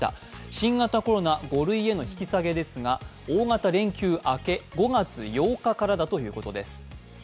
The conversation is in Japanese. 新型コロナ５類への引き下げですが大型連休明け、５月８日からだということです。